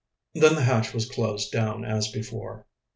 Then the hatch was closed down as before.